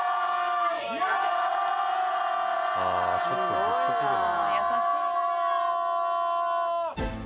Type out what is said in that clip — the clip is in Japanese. あぁちょっとグッとくるな。